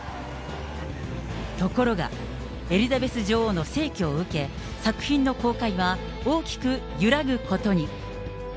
ところが、エリザベス女王の逝去を受け、作品の公開は大きく揺らぐことに。